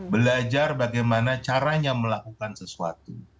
belajar bagaimana caranya melakukan sesuatu